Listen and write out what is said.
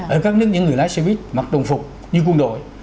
ở các nước những người lái xe buýt mặc đồng phục như quân đội